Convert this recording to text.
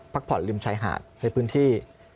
ผ่อนริมชายหาดในพื้นที่